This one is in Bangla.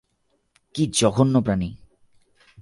কী জঘন্য প্রাণী!